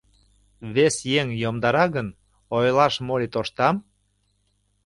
Вес еҥ йомдара гын, ойлаш моли тоштам?